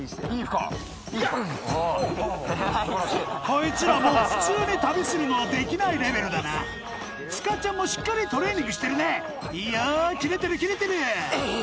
こいつらもう普通に旅するのはできないレベルだな塚ちゃんもしっかりトレーニングしてるねいいよキレてるキレてるうん！